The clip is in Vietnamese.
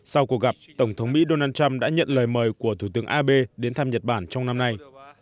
sau cuộc gặp tổng thống mỹ donald trump đã nhận lời mời của thủ tướng abe đến thăm nhật bản trong năm nay